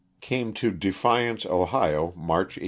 Came to Defiance, Ohio, March, 1849.